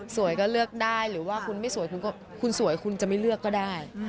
ก็เลือกได้หรือว่าคุณไม่สวยคุณสวยคุณจะไม่เลือกก็ได้